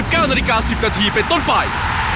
๙นาฬิกา๑๐นาทีเป็นต้นไป